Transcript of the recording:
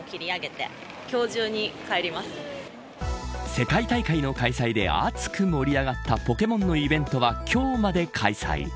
世界大会の開催で熱く盛り上がったポケモンのイベントは今日まで開催。